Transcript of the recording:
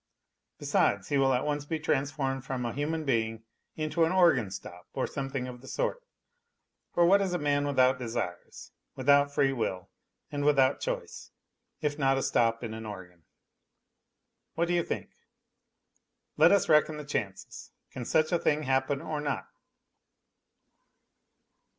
Besides, he will at once be transformed from a human being into an organ stop or something of the sort ; for what is a man without desires, with out freewill and without choice, if not a stop in an organ ? What do you think ? Let us reckon the chances can such a thing happen or not